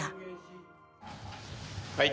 はい。